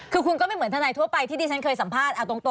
คือคุณก็ไม่เหมือนทนายทั่วไปที่ดิฉันเคยสัมภาษณ์ตรง